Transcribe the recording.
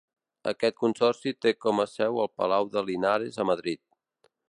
Aquest consorci té com a seu el Palau de Linares a Madrid.